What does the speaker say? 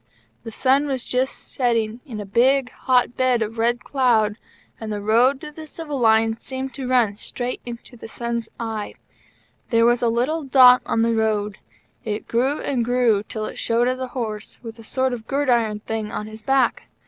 The sun was just setting in a big, hot bed of red cloud, and the road to the Civil Lines seemed to run straight into the sun's eye. There was a little dot on the road. It grew and grew till it showed as a horse, with a sort of gridiron thing on his back.